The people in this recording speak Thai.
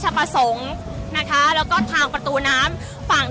เชื่อหรือเกินค่ะคุณผู้ชมว่าข้ามคืนนี้นะคะแสงเพียรนับพันนับร้อยเล่มนะคะ